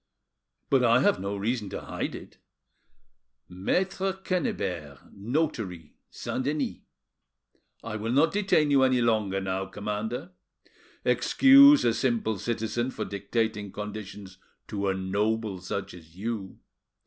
But I have no reason to hide it: Maitre Quennebert, notary, Saint Denis. I will not detain you any longer now, commander; excuse a simple citizen for dictating conditions to a noble such as you.